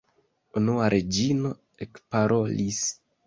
Unua Reĝino ekparolis.